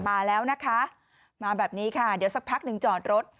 มาแล้วนะคะมาแบบนี้ค่ะเดี๋ยวสักพักหนึ่งจอดรถ